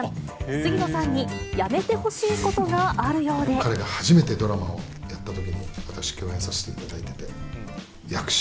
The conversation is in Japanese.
杉野さんにやめてほしいことがあ彼が初めてドラマをやったときに、私、共演させていただいてて、役者、